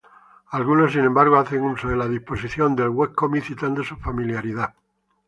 Algunos, sin embargo, hacen uso de la disposición del webcomic, citando su familiaridad.